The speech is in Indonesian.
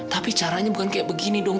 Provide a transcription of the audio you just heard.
tapi caranya bukan kayak begini dong